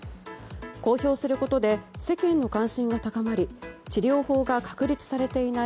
公表することで世間の関心が高まり治療法が確立されていない